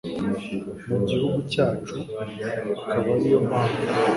mu gihugu cyacu, akaba ari yo mpamvu